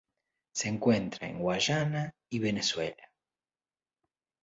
Se encuentra en Guyana y Venezuela.